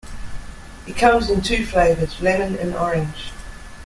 It comes in two flavours, lemon and orange.